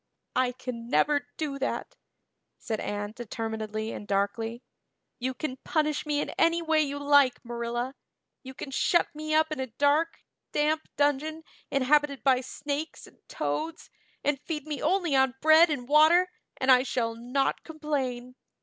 "I can never do that," said Anne determinedly and darkly. "You can punish me in any way you like, Marilla. You can shut me up in a dark, damp dungeon inhabited by snakes and toads and feed me only on bread and water and I shall not complain.